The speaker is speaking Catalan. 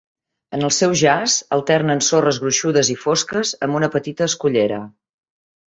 En el seu jaç alternen sorres gruixudes i fosques amb una petita escullera.